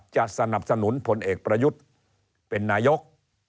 จะสนับสนุนพลเอกประยุทธ์เป็นนายก